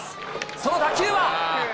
その打球は？